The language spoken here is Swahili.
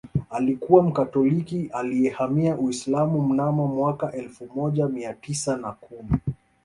Alikuwa Mkatoliki aliyehamia Uislamu mnamo mwaka elfu moja mia tisa na kumi